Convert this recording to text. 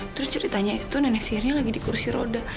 terus ceritanya itu nenek sihirnya lagi di kursi roda